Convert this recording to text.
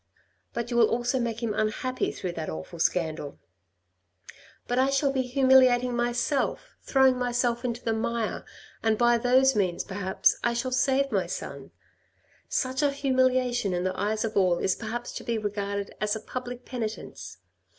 " But you will also make him unhappy through that awful scandal." " But I shall be humiliating myself, throwing myself into the mire, and by those means, perhaps, I shall save my son. Such a humiliation in the eyes of all is perhaps to be regarded as a public penitence.